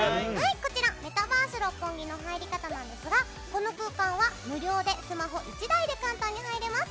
メタバース六本木の入り方なんですがこの空間は無料でスマホ１台で簡単に入れます。